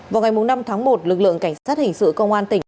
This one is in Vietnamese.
vào ngày năm tháng một lực lượng cảnh sát hình sự công an tỉnh